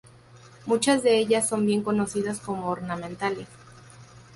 Muchas de ellas son bien conocidas como ornamentales.